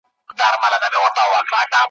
چي د سپوږمۍ په شپه له لیري یکه زار اورمه ,